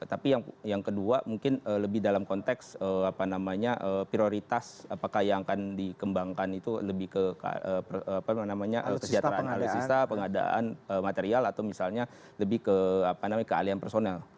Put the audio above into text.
tapi yang kedua mungkin lebih dalam konteks apa namanya prioritas apakah yang akan dikembangkan itu lebih ke apa namanya kejahatan alisista pengadaan material atau misalnya ke kalian personal